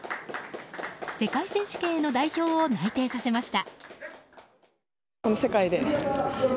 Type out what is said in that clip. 世界選手権への代表を内定させました。